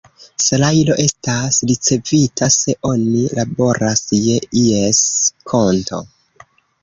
Salajro estas ricevita se oni laboras je ies konto.